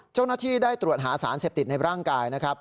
เจ้าหน้าที่ได้ตรวจหาสารเสพติดในร่างกายนะครับ